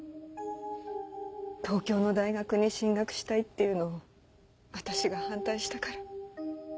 東京の大学に進学したいっていうのを私が反対したから。